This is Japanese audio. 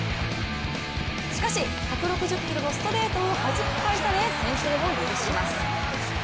しかし、１６０キロのストレートをはじき返され先制を許します。